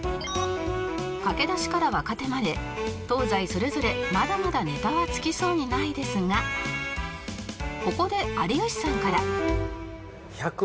駆け出しから若手まで東西それぞれまだまだネタは尽きそうにないですがここで有吉さんから